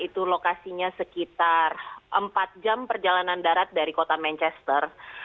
itu lokasinya sekitar empat jam perjalanan darat dari kota manchester